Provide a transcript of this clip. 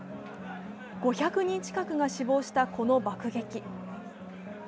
５００人近くが死亡したこの爆撃。